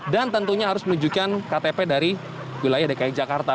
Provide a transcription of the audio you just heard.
dan tentunya harus menunjukkan ktp dari wilayah dki jakarta